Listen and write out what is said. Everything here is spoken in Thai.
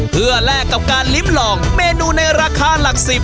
เพื่อแลกกับการลิ้มลองเมนูในราคาหลัก๑๐